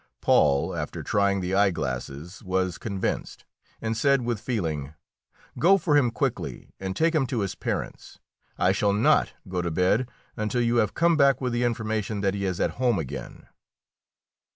Paul, after trying the eye glasses, was convinced, and said with feeling: "Go for him quickly and take him to his parents; I shall not go to bed until you have come back with the information that he is at home again."